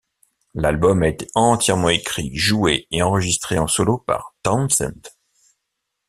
L'album a été entièrement écrit, joué et enregistré en solo par Townsend.